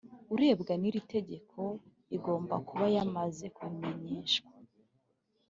Urebwa n’ iri tegeko igomba kuba yamaze kubimenyeshwa